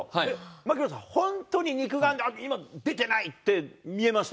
槙野さん、本当に肉眼で、あっ、今、出てないって見えました？